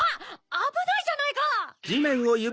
あぶないじゃないか！